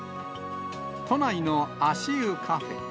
都内の足湯カフェ。